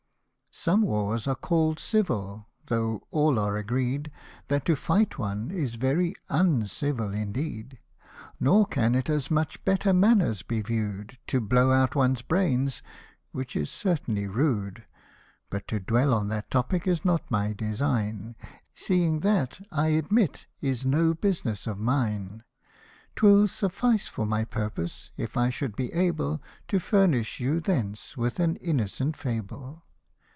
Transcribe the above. SOME wars are call'd civil, though all are agreed, That to fight one is very wwcivil indeed j Nor can it as much better manners be view'd, To blow out one's brains which is certainly rude ; But to dwell on that topic is not my design, Seeing that, I admit, is no business of mine : 'Twill suffice for my purpose, if I should be able To furnish you thence with an innocent fable.